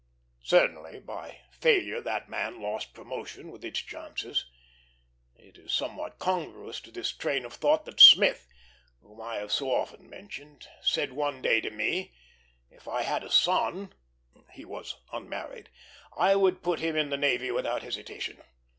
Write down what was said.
Certainly, by failure that man lost promotion with its chances. It is somewhat congruous to this train of thought that Smith, whom I have so often mentioned, said one day to me: "If I had a son (he was unmarried), I would put him in the navy without hesitation.